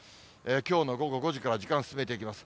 きょうの午後５時から時間進めていきます。